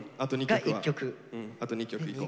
あと２曲いこう。